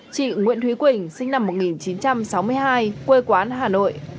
chị nguyễn thúy quỳnh sinh năm một nghìn chín trăm sáu mươi hai quê quán hà nội